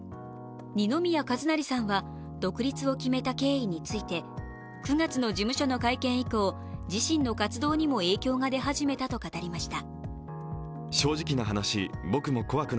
二宮和也さんが独立を決めた経緯について９月の事務所の会見以降、自身の活動にも影響が出始めたと語りました。